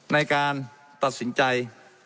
ในการตัดสินใจ